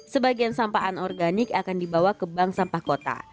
sebagian sampahan organik akan dibawa ke bank sampah kota